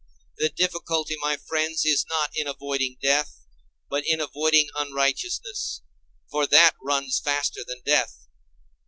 The difficulty, my friends, is not in avoiding death, but in avoiding unrighteousness; for that runs faster than death.